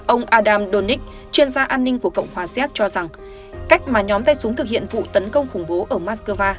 ông adam donich chuyên gia an ninh của cộng hòa xéc cho rằng cách mà nhóm tay súng thực hiện vụ tấn công khủng bố ở moscow